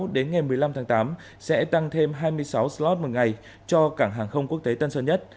đến ngày một mươi năm tháng tám sẽ tăng thêm hai mươi sáu slot một ngày cho cảng hàng không quốc tế tân sơn nhất